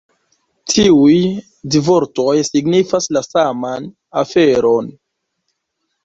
Tiuj du vortoj signifas la saman aferon!